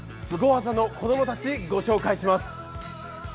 すご技の子供たち御紹介します。